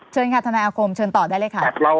เชิญค่ะทะนะ